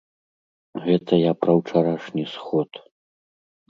Гэта я пра ўчарашні сход.